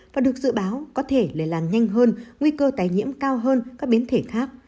và được dự báo có thể lây lan nhanh hơn nguy cơ tái nhiễm cao hơn các biến thể khác